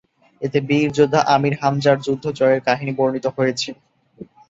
এতে বীর যোদ্ধা আমীর হামজার যুদ্ধজয়ের কাহিনী বর্ণিত হয়েছে।